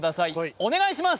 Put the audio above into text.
お願いします